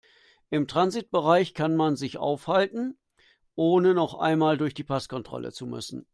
Im Transitbereich kann man sich aufhalten, ohne noch einmal durch die Passkontrolle zu müssen.